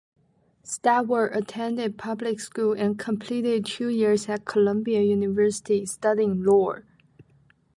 Stewart attended public school and completed two years at Columbia University, studying law.